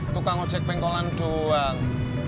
tukang ojek pengkolan doang